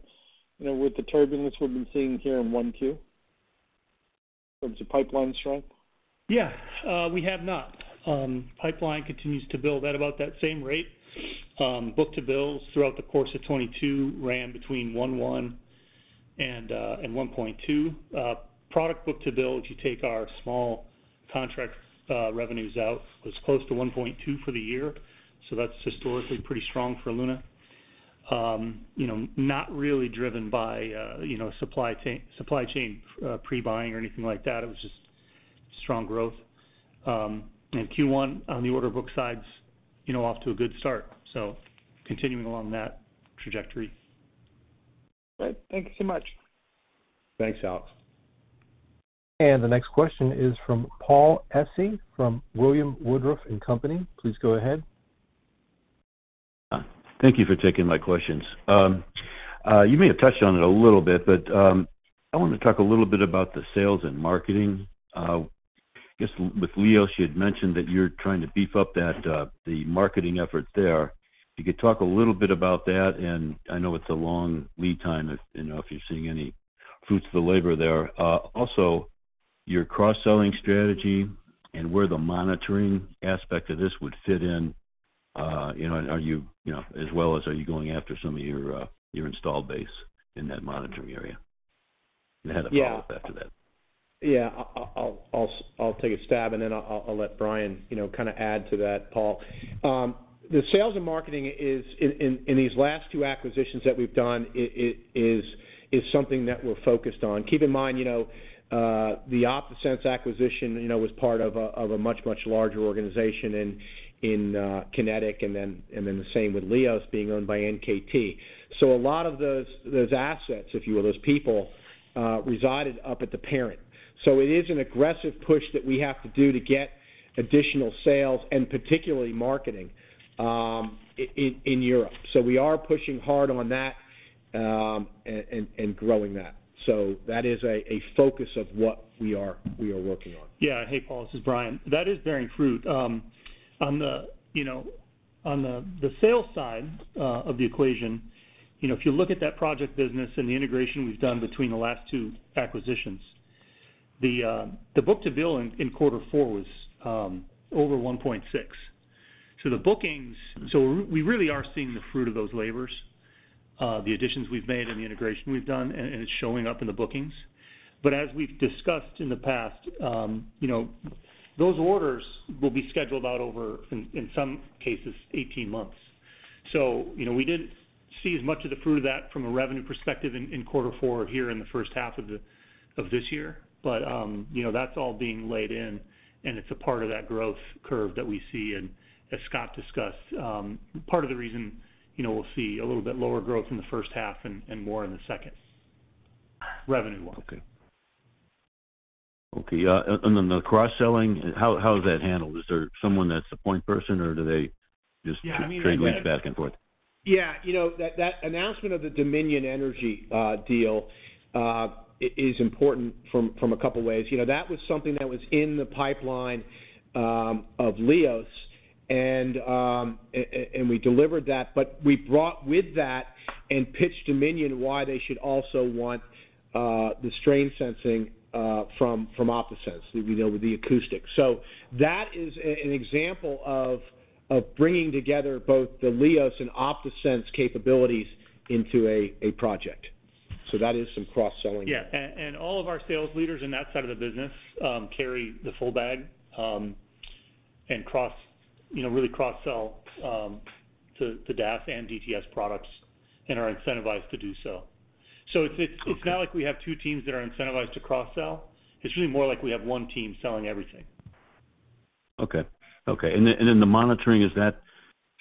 know, with the turbulence we've been seeing here in 1Q in terms of pipeline strength? Yeah. We have not. Pipeline continues to build at about that same rate. Book-to-bill throughout the course of 2022 ran between 1.1 and 1.2. Product book-to-bill, if you take our small contract revenues out, was close to 1.2 for the year, so that's historically pretty strong for Luna. You know, not really driven by, you know, supply chain, supply chain pre-buying or anything like that. It was just strong growth. Q1 on the order book side's, you know, off to a good start, so continuing along that trajectory. Great. Thank you so much. Thanks, Alex. The next question is from Paul Essi from William K. Woodruff & Co. Please go ahead. Thank you for taking my questions. You may have touched on it a little bit, but I wanted to talk a little bit about the sales and marketing. I guess with LIOS, you had mentioned that you're trying to beef up that the marketing effort there. If you could talk a little bit about that, and I know it's a long lead time if, you know, if you're seeing any fruits of the labor there. Also, your cross-selling strategy and where the monitoring aspect of this would fit in. You know, and are you know, as well as are you going after some of your installed base in that monitoring area? I have a follow-up after that. Yeah. I'll take a stab, and then I'll let Brian, you know, kind of add to that, Paul. The sales and marketing is in these last two acquisitions that we've done, is something that we're focused on. Keep in mind, you know, the OptaSense acquisition, you know, was part of a much, much larger organization in QinetiQ, and then the same with LIOS being owned by NKT. A lot of those assets, if you will, those people, resided up at the parent. It is an aggressive push that we have to do to get additional sales and particularly marketing in Europe. We are pushing hard on that, and growing that. That is a focus of what we are working on. Yeah. Hey, Paul, this is Brian. That is bearing fruit. On the, you know, on the sales side of the equation, you know, if you look at that project business and the integration we've done between the last two acquisitions, the book-to-bill in quarter four was over 1.6. The bookings. We really are seeing the fruit of those labors, the additions we've made and the integration we've done, and it's showing up in the bookings. As we've discussed in the past, you know, those orders will be scheduled out over, in some cases, 18 months. You know, we didn't see as much of the fruit of that from a revenue perspective in quarter four here in the first half of this year. You know, that's all being laid in, and it's a part of that growth curve that we see. As Scott discussed, part of the reason, you know, we'll see a little bit lower growth in the first half and more in the second, revenue-wise. Okay. Okay. Then the cross-selling, how is that handled? Is there someone that's the point person, or do they just trade leads back and forth? Yeah. I mean, Yeah. You know, that announcement of the Dominion Energy deal is important from a couple ways. You know, that was something that was in the pipeline of LIOS and we delivered that, but we brought with that and pitched Dominion why they should also want the strain sensing from OptaSense, you know, with the acoustics. That is an example of bringing together both the LIOS and OptaSense capabilities into a project. That is some cross-selling there. Yeah. All of our sales leaders in that side of the business, carry the full bag, and cross, you know, really cross-sell, the DAS and DTS products and are incentivized to do so. It's not like we have two teams that are incentivized to cross-sell. It's really more like we have one team selling everything. Okay. Okay. Then the monitoring, is that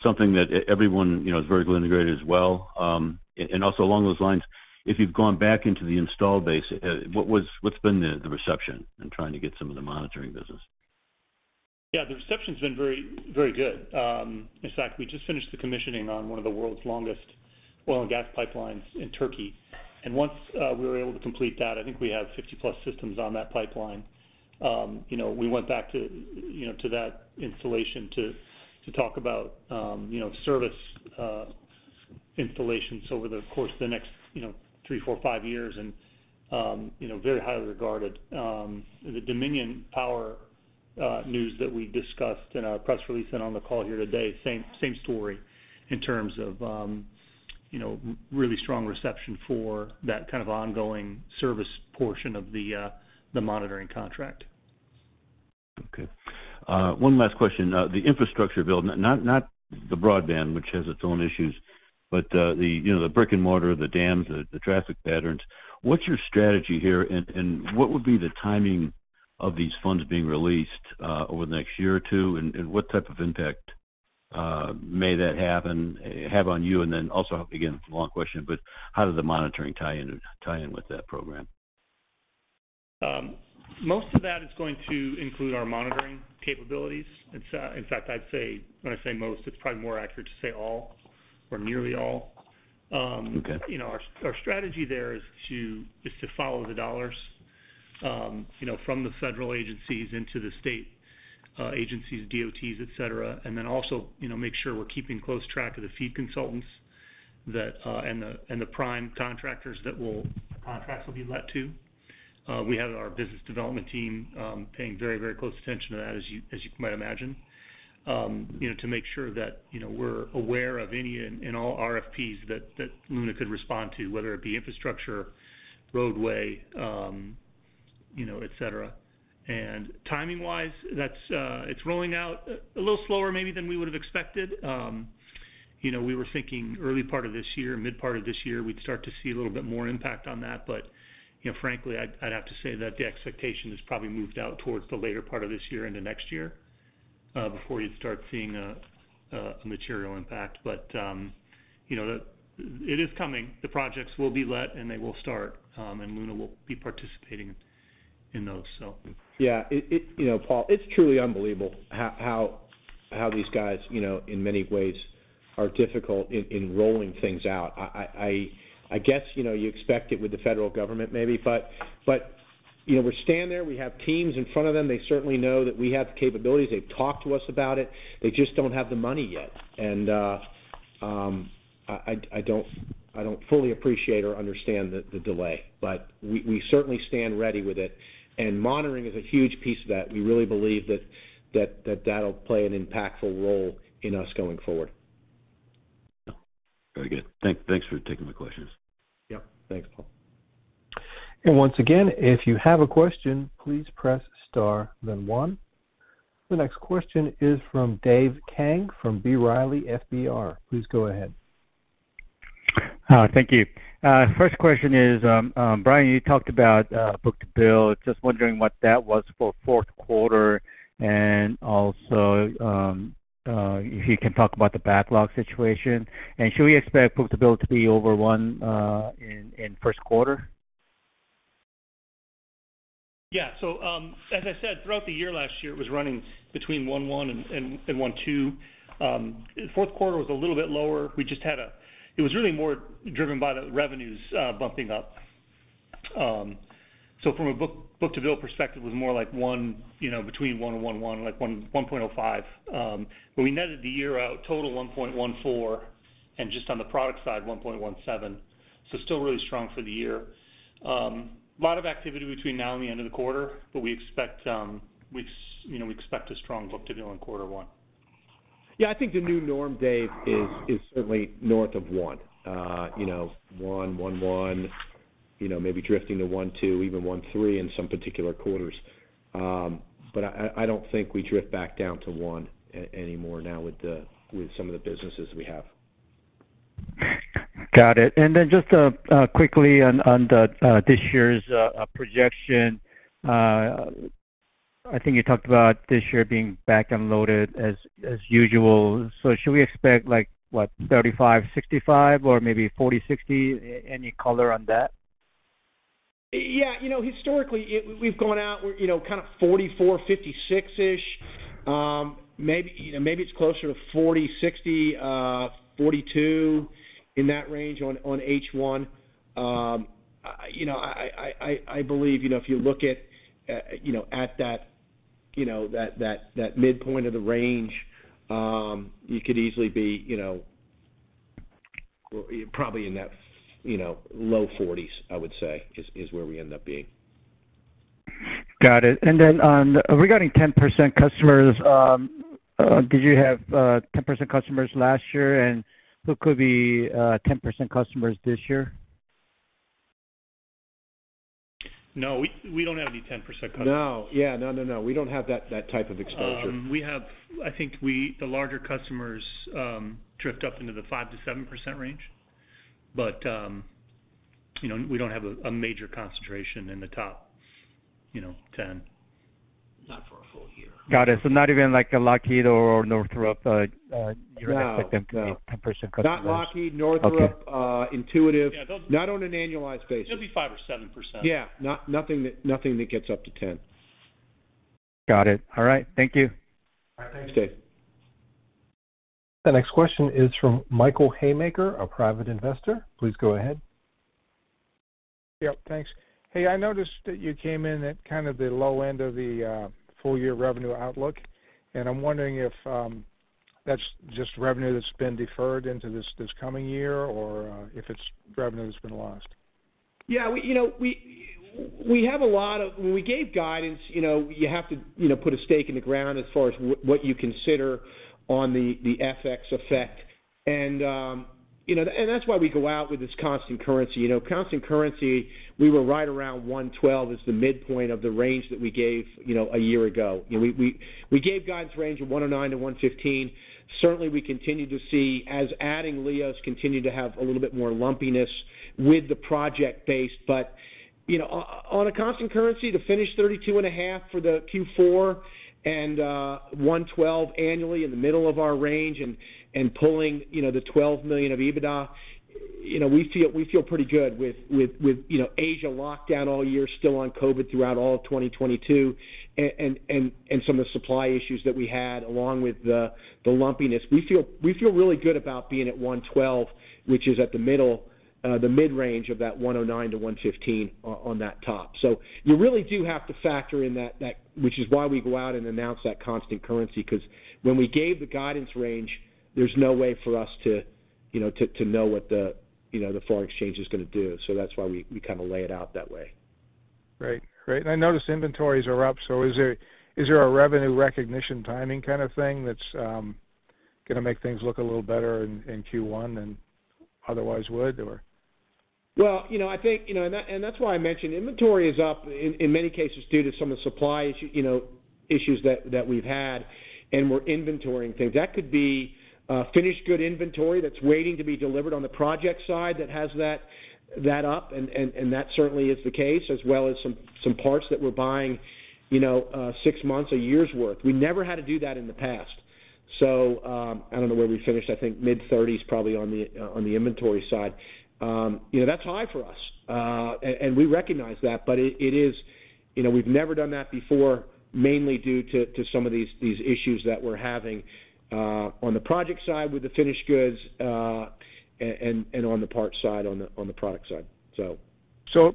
something that everyone, you know, is very well integrated as well? Also along those lines, if you've gone back into the install base, what's been the reception in trying to get some of the monitoring business? Yeah. The reception's been very, very good. In fact, we just finished the commissioning on one of the world's longest oil and gas pipelines in Turkey. Once we were able to complete that, I think we have 50+ systems on that pipeline, you know, we went back to, you know, to that installation to talk about, you know, service installations over the course of the next, you know, three, four, five years and, you know, very highly regarded. The Dominion Energy news that we discussed in our press release and on the call here today, same story in terms of, you know, really strong reception for that kind of ongoing service portion of the monitoring contract. One last question. The infrastructure build, not the broadband, which has its own issues, but, you know, the brick-and-mortar, the dams, the traffic patterns. What's your strategy here and what would be the timing of these funds being released over the next year or two? What type of impact may that have on you? Also, again, it's a long question, but how does the monitoring tie in with that program? Most of that is going to include our monitoring capabilities. In fact, I'd say when I say most, it's probably more accurate to say all or nearly all. Okay. You know, our strategy there is to follow the dollars, you know, from the federal agencies into the state, agencies, DOTs, et cetera. Also, you know, make sure we're keeping close track of the feed consultants that and the prime contractors that contracts will be let to. We have our business development team, paying very, very close attention to that as you, as you might imagine, you know, to make sure that, you know, we're aware of any and all RFPs that Luna could respond to, whether it be infrastructure, roadway, you know, et cetera. Timing-wise, that's it's rolling out a little slower maybe than we would have expected. You know, we were thinking early part of this year, mid part of this year, we'd start to see a little bit more impact on that. You know, frankly, I'd have to say that the expectation is probably moved out towards the later part of this year and the next year, before you'd start seeing a material impact. You know, it is coming. The projects will be let, they will start, Luna will be participating in those. Yeah. you know, Paul, it's truly unbelievable how these guys, you know, in many ways are difficult in rolling things out. I guess, you know, you expect it with the federal government maybe, but, you know, we're standing there, we have teams in front of them. They certainly know that we have the capabilities. They've talked to us about it. They just don't have the money yet. I don't fully appreciate or understand the delay. We certainly stand ready with it, and monitoring is a huge piece of that. We really believe that that'll play an impactful role in us going forward. Very good. Thanks for taking my questions. Yep. Thanks, Paul. Once again, if you have a question, please press star then one. The next question is from David Kang from B. Riley FBR. Please go ahead. Hi. Thank you. First question is, Brian, you talked about book-to-bill. Just wondering what that was for fourth quarter and also, if you can talk about the backlog situation. Should we expect book-to-bill to be over one, in first quarter? Yeah. As I said, throughout the year last year, it was running between 1.1 and 1.2. Fourth quarter was a little bit lower. It was really more driven by the revenues bumping up. From a book-to-bill perspective, it was more like one, you know, between one and 1.1, like 1.05. We netted the year out total 1.14, and just on the product side, 1.17. Still really strong for the year. A lot of activity between now and the end of the quarter, we expect, you know, we expect a strong book-to-bill in quarter one. I think the new norm, Dave, is certainly north of one. You know, 1.1, you know, maybe drifting to 1.2, even 1.3 in some particular quarters. I don't think we drift back down to one anymore now with some of the businesses we have. Got it. Just quickly on this year's projection. I think you talked about this year being back-end loaded as usual. Should we expect like, what, 35%, 65% or maybe 40%, 60%? Any color on that? Yeah. You know, historically, we've gone out where, you know, kind of 44, 56-ish. Maybe, you know, maybe it's closer to 40, 60, 42 in that range on H1. You know, I believe, you know, if you look at, you know, at that, you know, that midpoint of the range, you could easily be, you know, probably in that, you know, low 40s, I would say, is where we end up being. Got it. Then on regarding 10% customers, did you have 10% customers last year? Who could be 10% customers this year? No, we don't have any 10% customers. No. Yeah. No, no. We don't have that type of exposure. I think we the larger customers, drift up into the 5%-7% range. you know, we don't have a major concentration in the top, you know, 10. Not for a full year. Got it. Not even like a Lockheed or Northrop? No, no. You don't expect them to be 10% customers. Not Lockheed, Northrop- Okay. Intuitive. Yeah, those will be-. Not on an annualized basis. They'll be 5% or 7%. Yeah. nothing that, nothing that gets up to 10. Got it. All right. Thank you. All right. Thanks, Dave. The next question is from Michael Haymaker, a private investor. Please go ahead. Yep. Thanks. Hey, I noticed that you came in at kind of the low end of the full year revenue outlook, and I'm wondering if that's just revenue that's been deferred into this coming year or if it's revenue that's been lost? Yeah, we, you know, we have a lot of when we gave guidance, you know, you have to, you know, put a stake in the ground as far as what you consider on the FX effect. You know, and that's why we go out with this constant currency. You know, constant currency, we were right around 112 is the midpoint of the range that we gave, you know, a year ago. You know, we gave guidance range of 109-115. Certainly, we continue to see as adding LIOS continue to have a little bit more lumpiness with the project base. You know, on a constant currency to finish $32.5 million for the Q4 and $112 million annually in the middle of our range and pulling, you know, the $12 million of EBITDA, you know, we feel pretty good with, you know, Asia locked down all year, still on COVID throughout all of 2022 and some of the supply issues that we had, along with the lumpiness. We feel really good about being at $112 million, which is at the middle, the mid-range of that $109 million-$115 million on that top. You really do have to factor in that, which is why we go out and announce that constant currency. When we gave the guidance range, there's no way for us to, you know, to know what the, you know, the foreign exchange is gonna do. That's why we kinda lay it out that way. Great. Great. I noticed inventories are up. Is there a revenue recognition timing kind of thing that's gonna make things look a little better in Q1 than otherwise would or? Well, you know, I think, you know. That's why I mentioned inventory is up in many cases, due to some of the supply issue, you know, issues that we've had and we're inventorying things. That could be finished good inventory that's waiting to be delivered on the project side that has that up, and that certainly is the case, as well as some parts that we're buying, you know, six months or a year's worth. We never had to do that in the past. I don't know where we finished, I think mid-30s probably on the inventory side. You know, that's high for us. And we recognize that, but it is. You know, we've never done that before, mainly due to some of these issues that we're having, on the project side with the finished goods, and on the parts side, on the product side. So-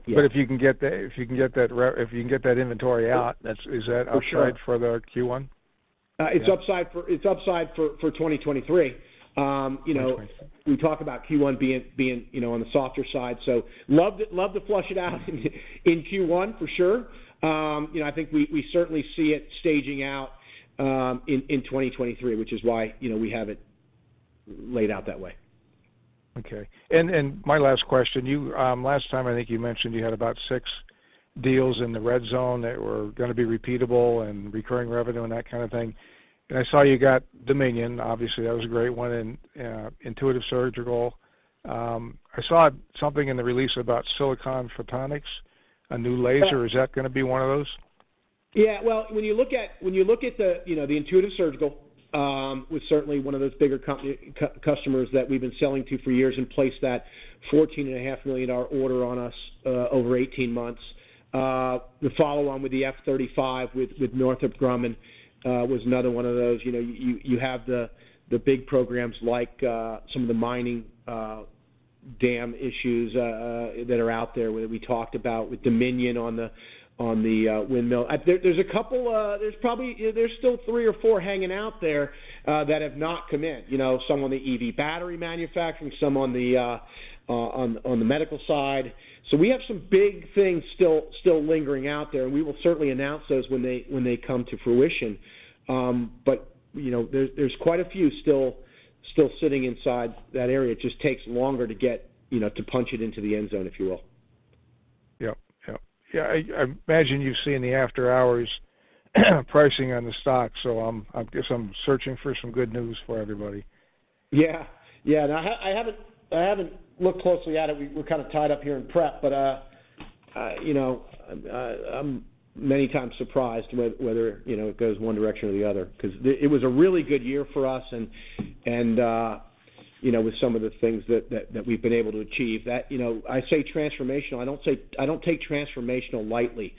Yeah. If you can get that inventory out, that's. For sure. Is that upside for the Q1? It's upside for 2023. You know. 2023. We talk about Q1 being, you know, on the softer side. Love to flush it out in Q1 for sure. You know, I think we certainly see it staging out in 2023, which is why, you know, we have it laid out that way. Okay. My last question. You, last time I think you mentioned you had about six deals in the red zone that were gonna be repeatable and recurring revenue and that kind of thing. I saw you got Dominion, obviously that was a great one, and Intuitive Surgical. I saw something in the release about Silicon Photonics, a new laser. That- Is that gonna be one of those? Well, when you look at, when you look at the, you know, the Intuitive Surgical, was certainly one of those bigger customers that we've been selling to for years and placed that $14.5 million dollar order on us, over 18 months. The follow on with the F-35 with Northrop Grumman, was another one of those. You know, you have the big programs like some of the mining, dam issues, that are out there, where we talked about with Dominion Energy on the windmill. There's a couple, there's probably, there's still three or four hanging out there, that have not come in. You know, some on the EV battery manufacturing, some on the medical side. We have some big things still lingering out there, and we will certainly announce those when they come to fruition. You know, there's quite a few still sitting inside that area. It just takes longer to get, you know, to punch it into the end zone, if you will. Yep. Yep. Yeah, I imagine you've seen the after-hours pricing on the stock. I'm guess I'm searching for some good news for everybody. Yeah. Yeah. No, I haven't, I haven't looked closely at it. We're kind of tied up here in prep, but, you know, I'm many times surprised whether, you know, it goes one direction or the other. It was a really good year for us and, you know, with some of the things that we've been able to achieve. You know, I say transformational, I don't take transformational lightly.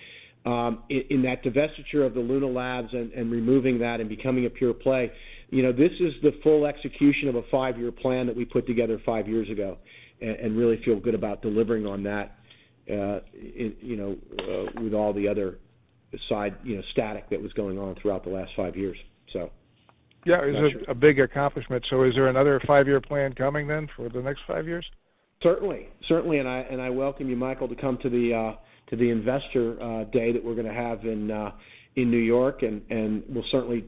In that divestiture of the Luna Labs and removing that and becoming a pure play, you know, this is the full execution of a five-year plan that we put together five years ago and really feel good about delivering on that, in, you know, with all the other side, you know, static that was going on throughout the last five years. Yeah. Not sure. It's a big accomplishment. Is there another five-year plan coming then for the next five years? Certainly. Certainly, I welcome you, Michael, to come to the investor day that we're gonna have in New York. We'll certainly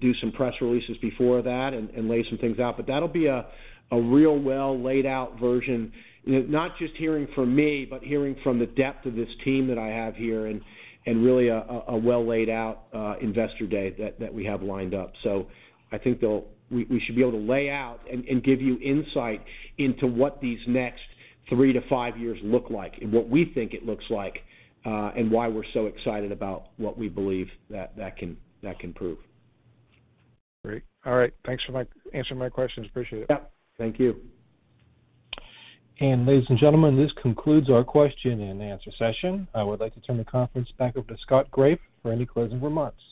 do some press releases before that and lay some things out. That'll be a real well laid out version. You know, not just hearing from me, but hearing from the depth of this team that I have here and really a well laid out Investor Day that we have lined up. I think we should be able to lay out and give you insight into what these next three to five years look like and what we think it looks like and why we're so excited about what we believe that can prove. Great. All right. Thanks for answering my questions. Appreciate it. Yeah. Thank you. Ladies and gentlemen, this concludes our question and answer session. I would like to turn the conference back over to Scott Graeff for any closing remarks.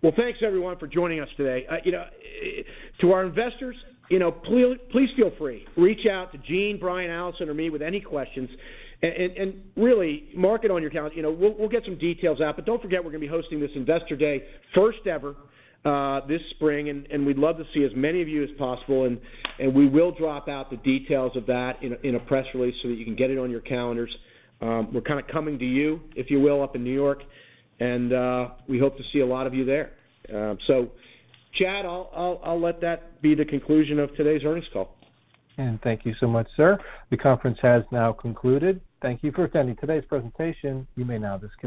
Well, thanks everyone for joining us today. you know, to our investors, you know, please feel free, reach out to Gene, Brian, Allison, or me with any questions. Really mark it on your calendar. You know, we'll get some details out, but don't forget we're gonna be hosting this Investor Day, first ever, this spring, and we'd love to see as many of you as possible. We will drop out the details of that in a press release, so that you can get it on your calendars. We're kinda coming to you, if you will, up in New York, and we hope to see a lot of you there. Chad, I'll let that be the conclusion of today's earnings call. Thank you so much, sir. The conference has now concluded. Thank you for attending today's presentation. You may now disconnect.